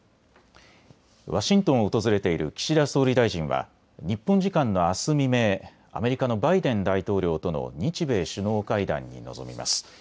ワシントンを訪れている岸田総理大臣は日本時間のあす未明、アメリカのバイデン大統領との日米首脳会談に臨みます。